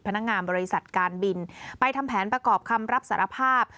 พนักงานบริษัทการบินไปทำแผนประกอบคำรับสารภาพ